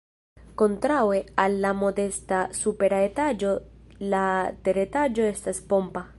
Kontraŭe al la modesta supera etaĝo la teretaĝo estas pompa.